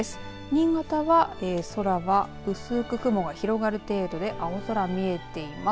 新潟は空は薄く雲が広がる程度で青空見えています。